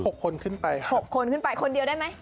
หกคนขึ้นไปหกคนขึ้นไปคนเดียวได้ไหม